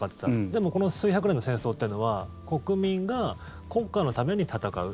でも、この数百年の戦争は国民が国家のために戦う。